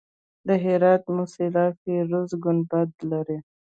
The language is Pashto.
د هرات موسیلا فیروزي ګنبد لري